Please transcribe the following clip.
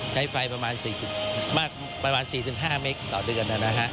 ใช้ไฟประมาณ๔๕เมตรต่อเดือน